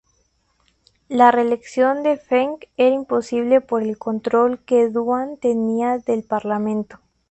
La reelección de Feng era imposible por el control que Duan tenía del Parlamento.